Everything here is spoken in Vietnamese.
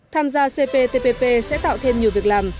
tham gia cptpp sẽ tạo thêm nhiều việc làm